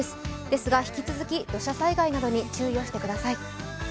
ですが、引き続き、土砂災害などに注意をしてください。